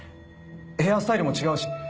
ヘアスタイルも違うし。